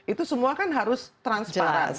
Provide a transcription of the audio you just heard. itu semua kan harus transparan